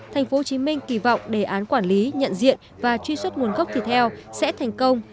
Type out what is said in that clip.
thành phố hồ chí minh kỳ vọng đề án quản lý nhận diện và truy xuất nguồn gốc thịt heo sẽ thành công